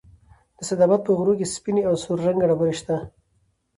د سيدآباد په غرو كې سپينې او سور رنگه ډبرې شته